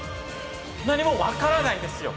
何もわからないですよ